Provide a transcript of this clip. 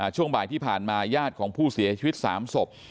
ช่วงบ่ายที่ผ่านมาญาติของผู้เสียชีวิต๓ศพ